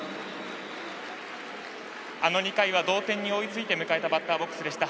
あの２回は同点に追いついて迎えたバッターボックスでした。